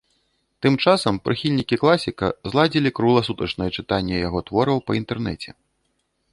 Тым часам прыхільнікі класіка зладзілі кругласутачнае чытанне яго твораў па інтэрнэце.